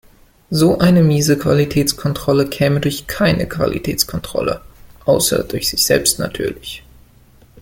So eine miese Qualitätskontrolle käme durch keine Qualitätskontrolle, außer durch sich selbst natürlich.